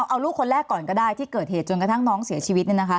เอาลูกคนแรกก่อนก็ได้ที่เกิดเหตุจนกระทั่งน้องเสียชีวิต